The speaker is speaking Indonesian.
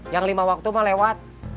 yang lima waktu mau lewat